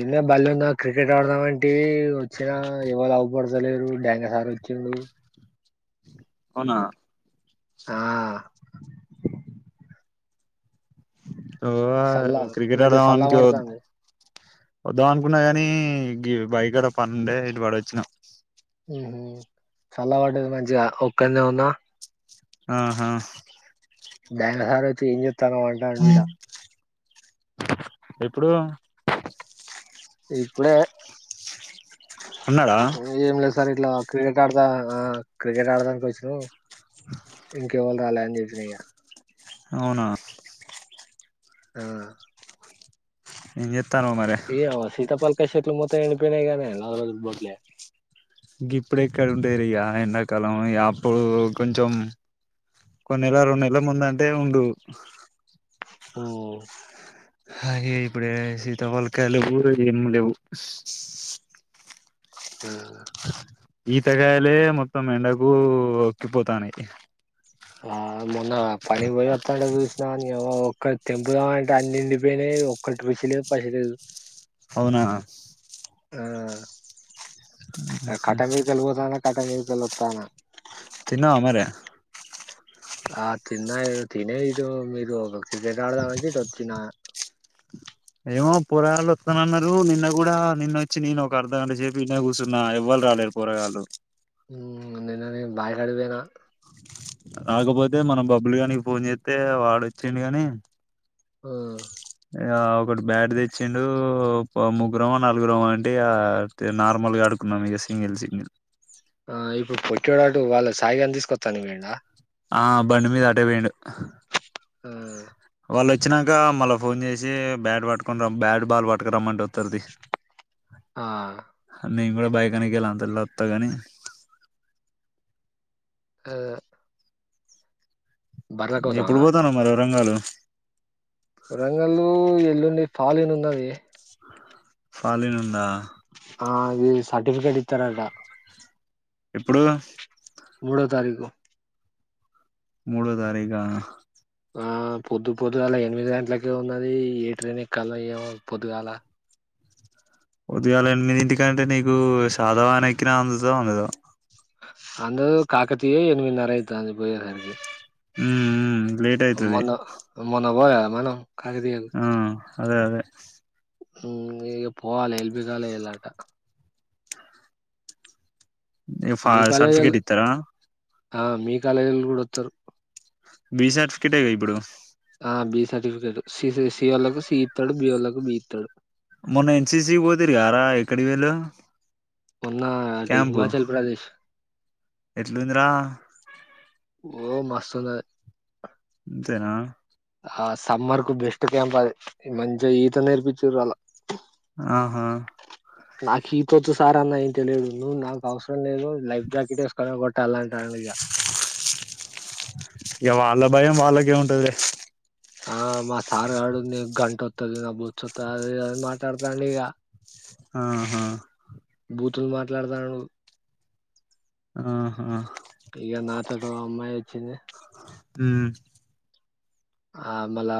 ఈన్నే బడిలా ఉన్న క్రికెట్ ఆడదాం అంటివి వచ్చినా ఎవలు అవుపడ్తలేరు గ్యాంగ్ హరి వచ్చిండు అవునా ఆ ఓ సల్ల క్రికెట్ మంచిగా ఆడదాం సల్ల అని ఒ పడతాంది వద్దాం అనుకున్నా కాని గి బాయి కాడ పనుండే ఇటు పడ వచ్చిన చల్ల పడ్డది మంచిగా ఒక్కన్నే ఉన్న ఆహా బ్యా [unintelligible] వత్తనం అంటాండు ఇడా ఎప్పుడు ఇప్పుడే ఉన్నాడా ఏం లే సార్ ఇట్లా క్రికెట్ ఆడతా ఆ క్రికెట్ ఆడటానికి వచ్చినం ఇంక ఏవల్ రాలె నిజినయా అవునా ఆ ఏం చే ఏ వ సీతాపల్ కాసేపు నువ్వు మొ్తే గిప్పుడేక్కడు ఉండరి ఆ ఎండాకాలం అప్పుడు కొంచెం కొన్ని నెల నెలల ముంద అంటే ఉండు ఓ హా ఇప్పుడే సీతాఫళకాయ కూడా ఏం లేవు మ్మ్ ఈతగాయలే మొత్తం ఎండకు ఉక్కిపోతనయ్ ఆ మొన్న పని పోయి అత్తండ చూసినాన్ ఏవో ఒక్కటి తెంపుదాం అంటే అన్ని ఎండిపోయినాయ్ ఒక్కటి రుచి లేదు పసిలేదు అవునా ఆ ఆ కట్ట మీకి వెల్లిబోదన్న కటమే వెల్లొతానా తిన్నావా మరి ఆ తిన్న తినే ఇదు మీరు క్రికెట్ ఆడదామంటే ఇటు వచ్చిన ఏమో పురాలోత్తునన్నారు నిన్న కూడా నిన్ చ్చినను ఒక అర్ధగంట సేప్ ఈ నే కూస్సున్నా ఎవ్వలు రాలే పోరగాళ్లు మ్మ్ నిన్ననే బాయి కాడివేనా రాకపోతే మనం బబ్బులు కానికి ఫోన్ చేస్తే వాడు వచ్చిండు గాని ఆ ఆ ఒకటి బ్యాట్ తెచ్చిండు ముగ్గురమో, నాలుగురమో అంటే ఇగ నార్మల్గా ఆడుకున్నాం ఇగ సింగిల్ సింగిల్ ఆ ఇప్పుడు పొట్టోడువాడు వాళ్ళ సాయిగాని తీసుకొచ్చా అని వోయిండా ఆ బండి మీద అటే పోయిండు ఆ వాళ్ళు వచ్చినాక మళ్ళా ఫోన్ చేసి బ్యాట్ పట్టుకుని రా బ్యాట్ బాల్ పట్టుకురమ్మంట ఆ నేం కూడా బైకాని గెల్లా అంతలోత్త కాని ఆ బర్ల ఎప్పుడు కోసమా పోతాను మరి వరంగాలు వరంగల్లు ఎల్లుండి ఫాలేను ఉన్నది ఫాలేనునుందా ఆ ఇది సర్టిఫికేట్ ఇత్తారట ఎప్పుడు మూడో తారీఖు మూడో తారీగా ఆ పొద్దు పొద్దుగాల ఎనిమిది గంటలక ఉన్నది ఏ ట్రైన్ ఎక్కాలో ఏమో పొద్దుగాలా ఉదయాలు ఎనిమిదింటికంటే నీకు సాదవాన ఎక్కిన అందుతా ఉండదొ అందులో కాకతీయే ఎనిమిదిన్నర యితాంది పోయేదానికి హ్మ్ హ్మ్ లేట్ అయితది మన వోయ మనం కాకతీయకు ఆ అదే అదే మ్మ్ ఇగ పోవాలె వెళ్ బీగాలు ఎయాలట ఎం ఫా మీ కాలేజోళ్ళు సర్టిఫికేట్ ఇత్తారా ఆ మీ కాలేజోల్లు కూడా వత్తరు బి సర్టిఫికేటేగా ఇప్పుడు ఆ బి సర్టిఫికేటు సి సి వాళకు సీ ఇత్తాడు బి వాళ్ళకు బీ ఇత్తాడు మొన్న ఎన్సీసీ పోతిరి గారా ఎక్కడి వెల్లవ్ ఉన్న అటు హిమాచల్ ప్రదేశ్ ఎట్లుందిరా ఓ మస్తు ఉంద ఇంతేనా ఆ సమ్మర్ కు బెస్ట్ క్యాంప్ అది మంచిగా ఈత నేర్పిచ్చిర్రు వాల్లా ఆహా [unintelligible] నాకు అవస [inaudible] లైఫ్ఫ్ జాకెట్ ఏస్కోనే బట్ తలాన్ [unintelligible] ఇక వాళ్ళ భయం వాళ్ళకే ఉంటదిలే ఆ మా సారు ఆడు నీ గంటొత్తది నా బొచ్చొత్తది అని మాట్లాడుతాండిగ ఆహా బూతులు మాట్లాడతాన్నడు ఆహా ఇగ నా చట్ అమ్మాయి వొచ్చింది ఉమ్ ఆ మళ్ళ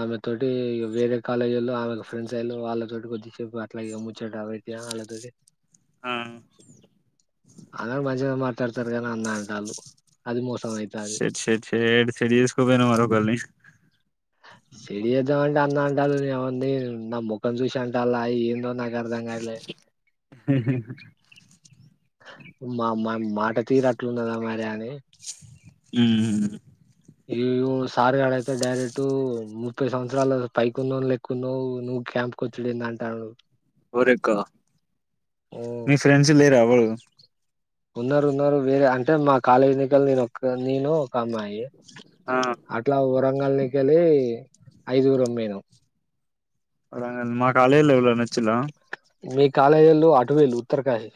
ఆమె తోటి వేరే కాలేజోల్లో ఆమెకు ఫ్రెండ్స్ అయ్యిల్లు వాళ్ళతోటి కొద్దిసేపు అట్లాగే ముచ్చట పెట్టినా వాళ్ళతోటి ఆ అందరు మంచిగా మాట్లాడతారు కానీ అన్న అంటాళ్ళు అది మోస్ షెట్ సెట్ షేప్ పెళ్ళిచేసుకోపొయినావారా ఒకళ్ళని సెడి అన్న చేద్దామంటే అంట [unintelligible] నేముంది నా ముఖం చూసి అంటాల్లా ఏందో నాక్ [unintelligible] అర్థం కాట్లే మా మా మాట తీరట్లున్నదా మరి అని ఉమ్ ఈవు సార్గాడయితే డైరెక్ట్ ముప్పై సంవత్సరాలు పైకున్నోన్ లెక్కున్నావ్ నువ్వు క్యాంప్ కొచ్చుడేందంటార్రు కోరెక్క మీ ఫ్రెండ్స్ లేరా ఎవరూ ఉన్నారు ఉన్నారు వేరే అంటే మా కాలేజ్ నికలు నేనొక్కల్ నేను ఒక్కమ్మాయి యి ఆ అట్లా ఉరంగల్ని కెళ్ళి ఐదుగురుం పొయ్ నాం మా కాలేజ్ లో ఎవులన్నా వొచ్చిళ్లా మీ కాలేజోళ్ళు అటు పోయిళ్ళు ఉత్తరకాశి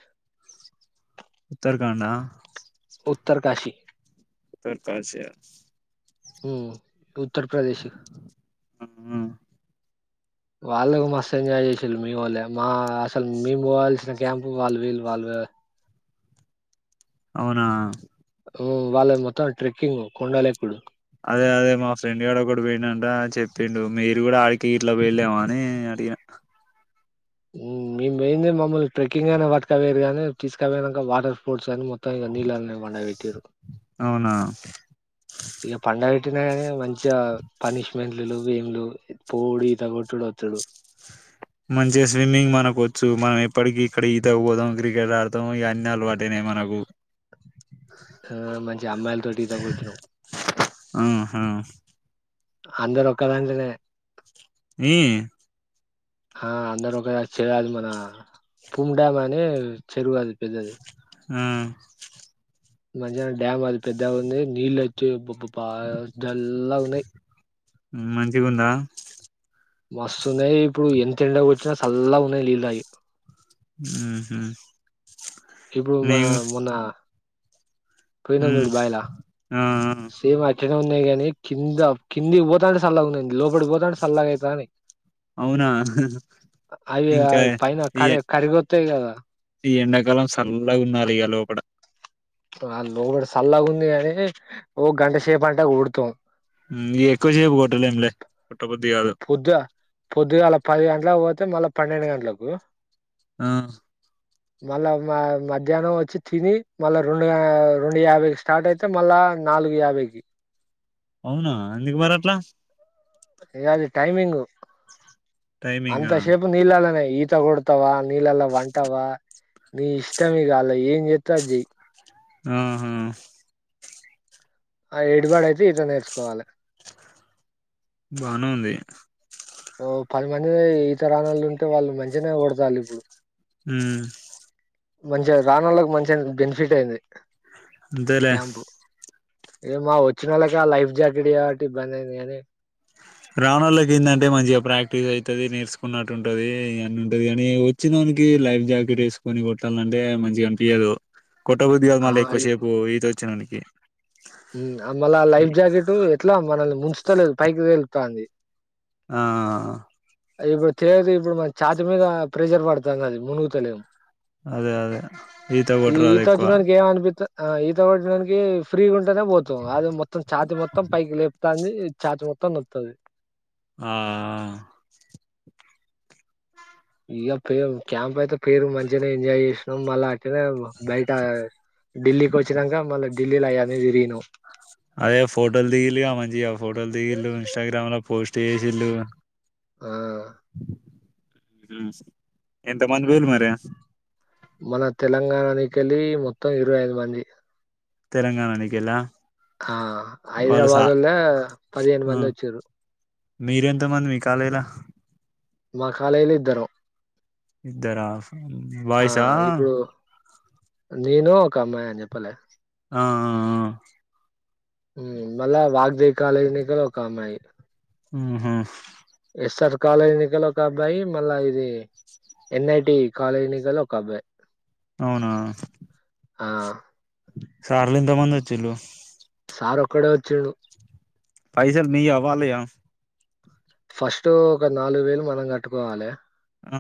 ఉత్తరాఖండ్ ఆ ఉత్తరకాశీ ఉత్తరకాశి ఆ ఊ ఉత్ ఉత్తరప్రదేశ్ వాళ్ళకు మస్తు ఎంజాయ్ చేసిల్లు మీ వోళ్ళే మా అసలు మేము పోవాల్సిన క్యాంప్ వాళ్ళు వేళ్ళు వాళ్ళు అవునా ఊ వాళ్ళై మొత్తం ట్రెక్కింగ్ కొండలు ఎక్కుడు అదే అదే మా ఫ్రెండ్ గాడు ఒకడు పోయిండట చెప్పిండు మీరు కూడా ఆడికి గిట్ల పోయిల్లేమో అని అడిగినా ఊ మేం పోయిందే మమ్మల్ని ట్రెక్కింగ్ అని పట్కపోయిర్రు గానీ తీస్కపోయినాక వాటర్ స్పోర్ట్స్ అని మొ త్తం ఇగ నీళ్ళళ్ల నే పండవేట్టిర్రు [inaudible] ఇగ పండ కానీ మంచిగా పనిష్మెంట్లు లేవు ఎం లేవు పోవుడు ఈతగొట్టుడు వచ్చుడు మంచిగా స్విమ్మింగ్ మనకు వచ్చు మనం ఎప్పటికి ఇక్కడ ఈతకు పోదాం క్రికెట్ ఆడతాం ఈ అన్నీ అలవాటనయి మనకు అ మం ఆ హా అందరు ఒక్క దాంట్లనే ఈ ఆ అందరు ఒక చెర మన పూమ్ డ్యామ్ అని చెరువది పెద్దది ఆ మంచిగనే డ్యామ్ అది పెద్దగ ఉంది నీళ్ళ అయితే అబ్బబ్బబ్బా చల్లగ ఉన్నాయి మంచిగా ఉందా మస్తు ఉన్నాయి ఇప్పుడు ఎంత ఎండగొట్టిన సల్లాగున్నాయి నీళ్ళు అయి ఊ హూ ఇప్పుడు మా మొన్న పోయినాము ఉమ్ చూడు బాయిల ఆ ఆ సేమ్ అ అట్నే ఉన్నయి గాని కింద కింది పోతాంటే సల్లగున్నాయ్ లోపడికి పోతాంటె సల్లాగైతానై అవునా అవి ఇంకా అవి పైన ఈ కరె కరిగో అంతే గదా ఈ ఎండాకాలం చల్లగున్నలే ఇగ లోపటా ఆ లోపటసల్లాగ ఉంది గానీ ఓ గంట షేపు అంటే ఉడు తోం ఉ ఇగ ఎక్కువ సేపు కోట్టలేం లే కొట్టబుద్ధి కాదు పొద్దు పొద్దుగాల పది గంటలకు పోతే మళ్ళా పన్నెండు గంటలకు ఆ మళ్ళా మధ్యాహ్నం వచ్చి తిని మళ్ళా రెండు రెండు యాభైకి స్టార్ట్ అయితే మళ్ళా నాలుగు యాభైకి అవునా ఎందుకు మరట్ల ఇగ అది టైమింగ్ టైమింగ్ అంతషేపు నీళాలన్నా ఈతగడతవ నీలెలా వంటవ నీ ఇష్టంగ ఇగ ఏం జతు అజ జై ఆహా ఆ ఎడిబడ అయితే ఇత నేర్చుకోవాలె బానే ఉంది ఓ పది మంది ఈతరణలు ఉంటే వాళ్ళు మధ్యనే డతాల ఇప్పుడు హ్మ మంచిగా రానళకి మంచి బెనిఫిట్ అయింది అంతేలే క్యాంపు ఏ మా వచ్చిన వాళ్ళక లైఫ్ జాకెట్ కాబట్టి ఇబ్బందియింది కానీ రావన వాళ్ళకిిందంటే మంచిగా ప్రాక్టీస్ అవుతుది నేర్చుకున్నట్టు ఉంటది ఇ అన్న ఉంటది కాని వచ్చినోనికి లైఫ్ జాకెట్ వేసుకొని కొట్టాలంటే మంచిగా అనిపియదు కొట్ట బుద్ధి కాదు మళ్ళీ ఎక్కువసేపు ఈత వచ్చినాదినీ కి మల్ల లైఫ్ జాకెట్ ఎట్లా ఉంది మనలీని ముంచ చలేదు పైకి తేలుతంది ఆ ఇప్పుడు తదు ఇప్పుడు మ చేఛతి మీద ప్రెషర్ పడుతుంది అది మునుగుత లే అదే అదే ఈత కొట్టారు వాళ్ళు ఈత ఎక్కువ వచ్చినోనికి ఏం అనిపిత్త ఆ ఈత కొట్టడానికి ఫ్రీ గా నే పోతాం అది మొత్తంఛాతి మొత్తం పైకి లేపుతాంది చాచు మొత్తం నతది ఆ ఇక పేరు క్యాంప్ అయితే పేరు మంచిగానే ఎంజాయ్ చేసినాం మళ్ళా అట్నే బయట ఢిల్లీకి వచ్చినాక మళ్ళా ఢిల్లీలో అయ్యానే తిరిగినం అదే ఫోటోలు దిగిలిగా మంచిగా ఆ ఫోటోలు దిగిళ్ళ ఇన్స్టాగ్రామ్ లో పోస్ట్ చేసిళు ఆ ఎంత మంది పోలు మరి మన తెలంగాణనికెళ్ళలి మొత్తం ఇరవై ఐదు మంది తెలంగాణ టికలా ఆ హఐదరాబాదుల పదిహేను ఆ మంది వచ్చరు మీరెంతమంది మీ కాలేజీల మా కాలేజ్లో ఇద్దరు ఇద్దరా బాయ్స్ ఆ నీను ఒక అమ్మాయి అని చెప్పాలే ఆ మళ వాగదేవి కాాలజని కలవ క మాయి మ్మ్ హ్మ్ ఎస్ఆర్ కాలా ఎన్నికలు ఒక అబ్బాయి మళ్ళా ఇది ఎన్ఐటి కాలజ ఎన్నికలు ఒక అబ్బాయి అవునా ఆ సార్లు ఇంతామంది వచ్చలుు సార్ ఒక్కడే వచ్చాడు పై సార్ మీయ వల్లయ ఫస్ట్ ఒక నాలుగు వేలు మనం కట్టుకోవాలి ఆ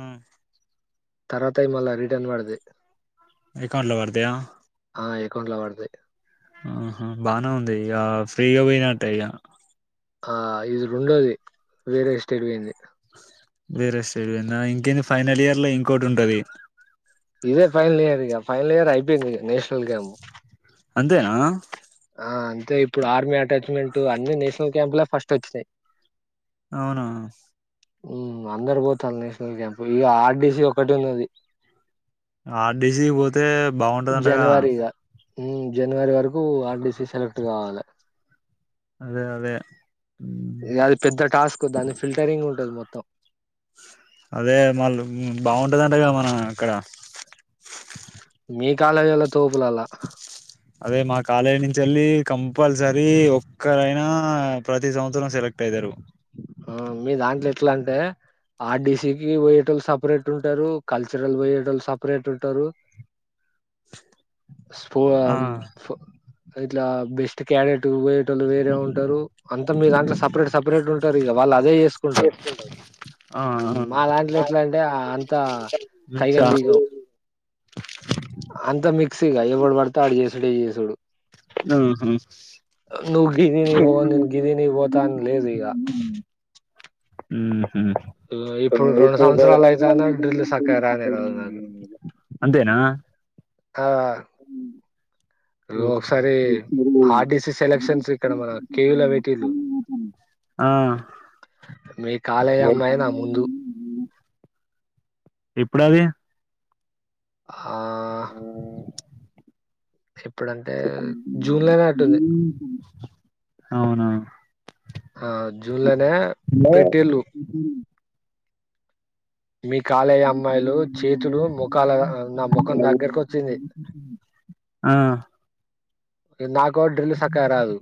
తరాతైమల్ల అవి రిటర్న్ పడతాయి రికార్డుల్లో పడతాయ ఆ అకౌంట్లా పడతయి ఆహా బానే ఉంది ఇగ ఫ్రీగా పోయినట్టే ఇగ ఆ ఇది రెండోది వేరే ఎస్టేట్ పోయింది వేరే స్టేట్ పోయిందా ఇంకేంది ఫైనల్ ఇయర్ ల ఇంకోటి ఉంటది ఇదే ఫైనల్ ఇయర్ ఇగ ఫైనల్ ఇయర్ ఐపోయింది నేషనల్ గేమ్ అంతేనా ఆ అంతే ఇప్పుడు ఆర్మీ అటాచ్మెంట్ అన్ని నేషనల్ క్యాంప్ ల ఫస్ట్ వచ్చినాయి అవునా హ్ అందరు పోతాళ్ళు నేషనల్ క్యాంప్ ఇగ ఆర్ డి సి ఒకటి ఉన్నది. ఆర్ డి సి పోతే బాగుంటది అంటగా హ్ జనవరి వరకు ఆర్ డి సి సేలక్ట్ కావాలె అదే అదే ఉమ్, ఇగ అది పెద్ద టాస్క్ దాని ఫిల్టరింగ్ ఉంటంది మొత్ త్తం అదే మళ్ళు హ్ బాగుంటదంటగ మన ఆక్కడ మీ కాలేజోళ్ళు తోపులాల్ల అదే మా కాలేజీ నుంచేళ్ళి కంపల్సరీ ఒక్కరైనా ప్రతి సంవత్సరం సెలెక్ట్ అయితారు. ఆ మీ దాంట్లో ఎట్లా అంటే ఆర్ డి సి పోయ్యేటోళ్ళు సపరేట్ ఉంటారు. కల్చరల్ పోయ్యేటోళ్ళు సపరేట్ ఉంటారు. ఆ [unintelligible] ఇట్లా బెస్ట్ క్యాడెట్ పోయ్యేటోళ్ళు వేరే ఉంటారు. అంత మీద దంట్ల సపరేట్ సప రేట్ ఉంటారు ఇగా వాళ్ళ అదే చేసుకుంటారు. ఆ ఆ మా దాంట్ల ఎట్లా అంటే అం మిక్సా అంత మిక్సీగా ఎవడు పడతే ఆడు చేసుడే చేసూడు హ్ హు అ నువ్వు గిరిని పో నేను గిరి నీ పోతా అని లేదు ఇగ ఉ ఇప్పుడు రెండు సంవత్సరాలు ఉ అయితాంది డ్రిల్ సక్కగా రానే రాదు నాకు అంతేనా ఆ అ బ్రో ఒకసారి ఆర్ డి సి సెలక్షన్స్ ఇక్కడ మన కే యు లో పెట్టిల్లు ఆ మీ కాలేజ్ అమ్మాయి నా ముందు ఎప్పుడది ఆ ఎప్పుడంటే జూన్ లనే ఐనట్టుంది. అవునా ఆ జూన్లోనే పెట్టిళ్ళు మీ కాలేజ్ అమ్మాయిలు చేతులు మొఖాల నా మొఖం దగ్గరకు వచ్చింది. ఆహ్ ఇ నాకు డ్రిల్ సక్కగా రాదు.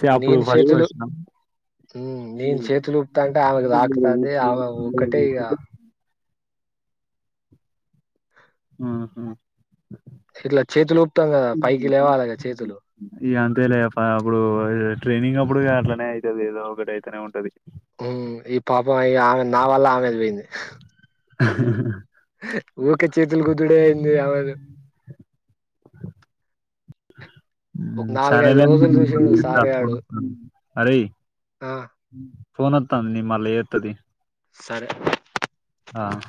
చే అప్పుడు నేను ఫస్ట్ చేతులు ఫస్ట్ నా? ఉహ్ నేను చేతులుపుతా అంటే ఆమెకు తాకుతాంది. ఆమె ఒక్కటే ఇగా ఆహా ఇట్లా చేతులు ఊపుతాం కదా పైకి లేవాలి కదా చేతులు ఇగా అంతే లే అప్పుడు ట్రైనింగ్ అప్పుడు కా నే అయితదిదో ఒకటే అయితేనే ఉంటది. ఉహ్మ్ ఈ పాపం ఈ ఆమె నా వల్ల ఆమెది పోయింది. ఊకే చేతులు గుద్దుడ అయింది. ఆమెను ఒక హ్మ్. నాలుగైదు సరేలే రోజులు నేను చూసి మళ్ళీ నువు చేస్తా సార ఫోన్ ఆడు వత్తాంది. అరేయ్ ఆ ఫోన్ వోత్తాంది నేను మల్ చెత్త తి సరే ఆహ్